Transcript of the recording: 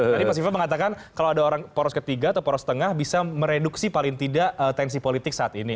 tadi mas viva mengatakan kalau ada orang poros ketiga atau poros tengah bisa mereduksi paling tidak tensi politik saat ini